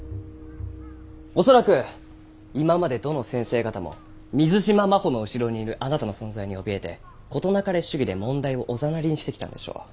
恐らく今までどの先生方も水島真帆の後ろにいるあなたの存在に怯えて事なかれ主義で問題をおざなりにしてきたんでしょう。